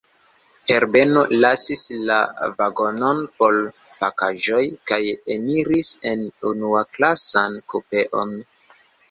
Herbeno lasis la vagonon por pakaĵoj, kaj eniris en unuaklasan kupeon.